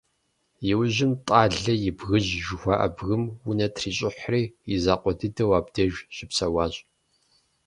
Иужьым «Тӏалэ и бгыжь» жыхуаӏэ бгым унэ трищӏыхьри, и закъуэ дыдэу абдеж щыпсэуащ.